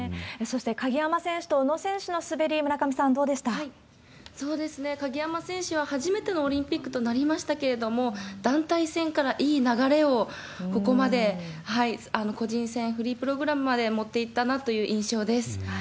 そして鍵山選手と宇野選手の滑り、鍵山選手は初めてのオリンピックとなりましたけれども、団体戦からいい流れをここまで、個人戦フリープログラムまで持っていったなという印象です。